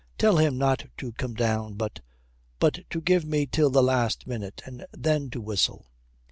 Tell him not to come down, but but to give me till the last minute, and then to whistle.'